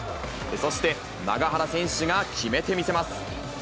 そして永原選手が決めてみせます。